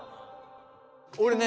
俺ね